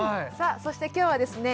そして今日はですね